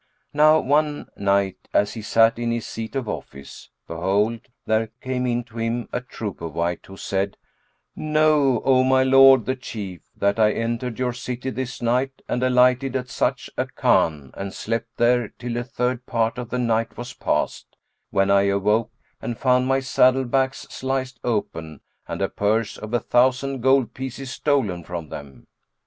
Now one night as he sat in his seat of office, behold, there came in to him a trooper wight who said, "Know, O my lord the Chief, that I entered your city this night and alighted at such a khan and slept there till a third part of the night was past when I awoke and found my saddle bags sliced open and a purse of a thousand gold pieces stolen from them."